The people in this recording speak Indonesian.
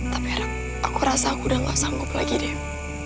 tapi aku rasa aku udah gak sanggup lagi dem